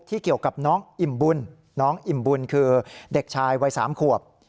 เกี่ยวกับน้องอิ่มบุญน้องอิ่มบุญคือเด็กชายวัย๓ขวบ